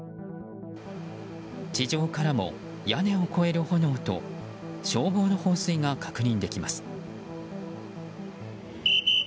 地上からも屋根を越える炎と消防の放水が確認できます。